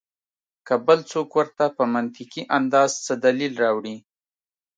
کۀ بل څوک ورته پۀ منطقي انداز څۀ دليل راوړي